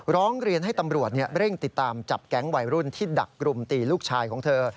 ร้องเรียนให้ตำรวจเร่งติดตามจับแก๊งวัยรุ่น